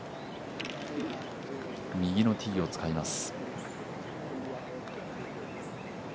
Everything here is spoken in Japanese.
右のティーを使います。